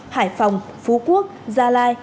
hải phòng phú quốc gia lai